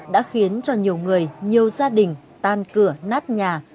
đã khiến cho nhiều người nhiều gia đình tan cửa nát nhà